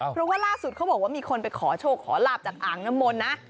เพราะว่าล่าสุดเขาบอกว่ามีคนไปขอโชคขอลาบจากอ่างน้ำมนต์นะ